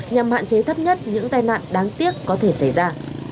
nhằm hạn chế thấp nhất những tai nạn đáng tiếc có thể xảy ra